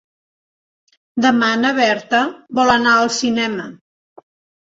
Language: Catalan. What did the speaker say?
Demà na Berta vol anar al cinema.